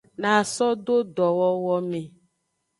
Na so do dowowo me.